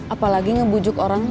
apalagi ngebujuk orang